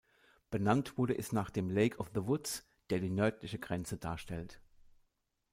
Benannt wurde es nach dem Lake of the Woods, der die nördliche Grenze darstellt.